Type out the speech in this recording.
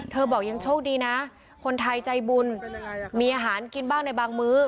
บอกยังโชคดีนะคนไทยใจบุญมีอาหารกินบ้างในบางมื้อ